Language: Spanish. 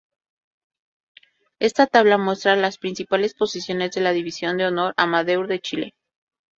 Esta tabla muestra las principales posiciones de la División de Honor Amateur de Chile.